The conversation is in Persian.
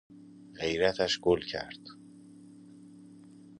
غیرتش گل کرد.